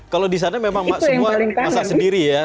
kalau di sana memang semua masak sendiri ya